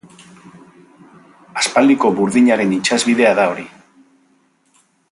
Aspaldiko burdinaren itsasbidea da hori.